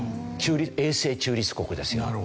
永世中立国ですよ。